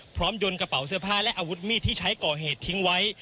ยนต์กระเป๋าเสื้อผ้าและอาวุธมีดที่ใช้ก่อเหตุทิ้งไว้